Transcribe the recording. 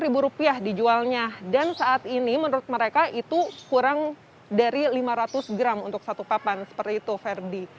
rp lima dijualnya dan saat ini menurut mereka itu kurang dari lima ratus gram untuk satu papan seperti itu ferdi